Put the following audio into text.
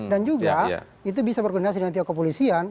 juga itu bisa berkoordinasi dengan pihak kepolisian